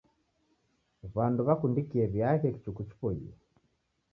W'andu w'akundikie w'iaghe kichuku chipoiye.